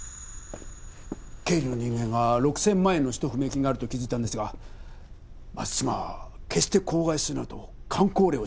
経理の人間が６０００万円の使途不明金があると気づいたんですが松島は決して口外するなと箝口令を敷いたそうなんです。